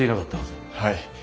はい。